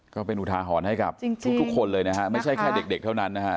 ก็เป็นอุทาหรณ์ให้กับทุกคนเลยนะฮะไม่ใช่แค่เด็กเท่านั้นนะฮะ